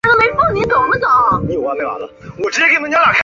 当地的公司免费地将这些屋子改造成办公室。